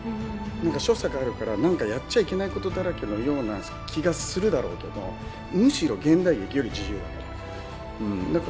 何か所作があるから何かやっちゃいけないことだらけのような気がするだろうけどむしろ現代劇より自由だから。